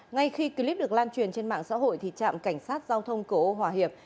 ngay khi clip được lan truyền trên mạng xã hội trạm cảnh sát giao thông cửa ô hòa hiệp